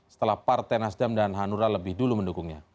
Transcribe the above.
setelah partai nasdem dan hanura lebih dulu mendukungnya